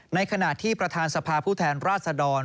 ในขณะที่ประธานสภาผู้แทนราชดร